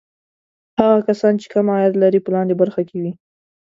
هغه کسان چې کم عاید لري په لاندې برخه کې وي.